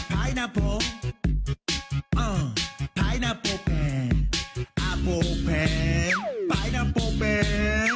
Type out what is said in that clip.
ไถ่นับโบแปอาโบแพบไปนับโบแป